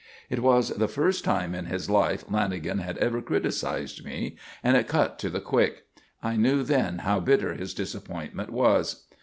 It was the first time in his life Lanagan had ever criticised me, and it cut to the quick. I knew then how bitter his disappointment was.